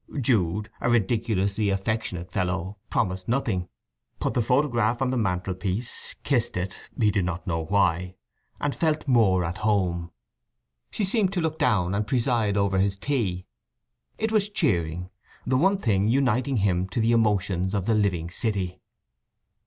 Jude, a ridiculously affectionate fellow, promised nothing, put the photograph on the mantel piece, kissed it—he did not know why—and felt more at home. She seemed to look down and preside over his tea. It was cheering—the one thing uniting him to the emotions of the living city.